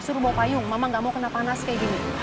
suruh bawa payung mama gak mau kena panas kayak gini